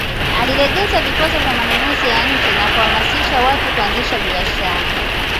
Alilegeza vikwazo vya manunuzi ya nje na kuhamasisha watu kuanzisha biashara